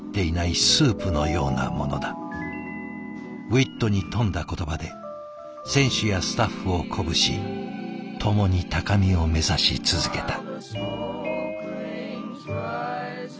ウイットに富んだ言葉で選手やスタッフを鼓舞し共に高みを目指し続けた。